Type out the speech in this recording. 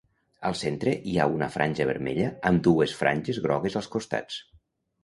Al centre hi ha una franja vermella amb dues franges grogues als costats.